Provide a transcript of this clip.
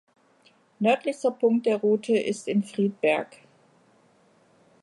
Nördlichster Punkt der Route ist in Friedberg.